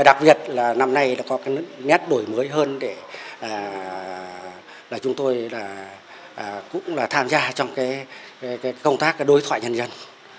đặc biệt là năm nay có cái nét đổi mới hơn để chúng tôi cũng tham gia trong công tác đối thoại nhân dân